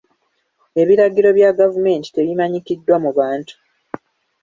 Ebiragiro bya gavumenti tebimanyikiddwa mu bantu.